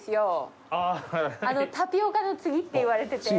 タピオカの次っていわれてて。